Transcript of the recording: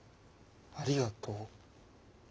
ありがとう？